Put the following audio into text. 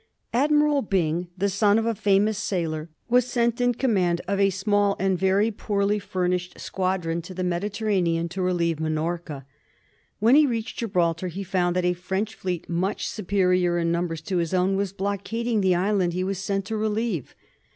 Admiral Byng, the son of a famous sailor, was sent in command of a small and a very poorly furnished squad ron to the Mediterranean to relieve Minorca. When he reached Gibraltar he found that a French fleet much su perior in numbers to his own was blockading the island he was sent to relieve.